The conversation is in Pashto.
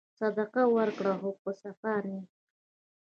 صدقه ورکړه خو په صفا نیت.